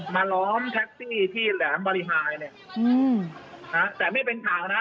ล้อมแท็กซี่ที่แหลมบริหายเนี่ยแต่ไม่เป็นข่าวนะ